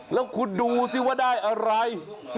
แล้วคุณดูสิว่าได้อะไร